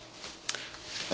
え